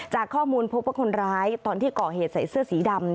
จากข้อมูลพบว่าคนร้ายตอนที่ก่อเหตุใส่เสื้อสีดำ